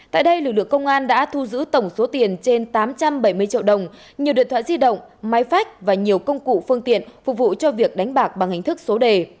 tại đây lực lượng công an đã thu giữ tổng số tiền trên tám trăm bảy mươi triệu đồng nhiều điện thoại di động máy phách và nhiều công cụ phương tiện phục vụ cho việc đánh bạc bằng hình thức số đề